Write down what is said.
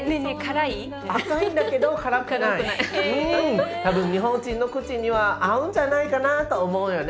赤いんだけど多分日本人の口には合うんじゃないかなと思うよね。